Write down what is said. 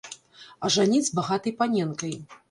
Ажаніць з багатай паненкай.